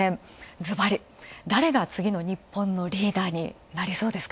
ずばり誰が次の日本のリーダーになりそうですか。